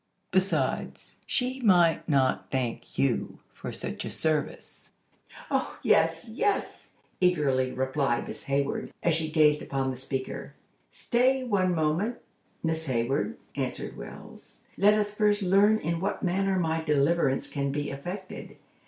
Besides, she might not thank you for such a service." "Oh, yes! yes!" eagerly replied Miss Hayward, as she gazed upon the speaker. "Stay one moment, Miss Hayward," answered Wells. "Let us first learn in what manner my deliverance can be effected.